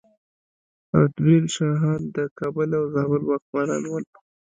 رتبیل شاهان د کابل او زابل واکمنان وو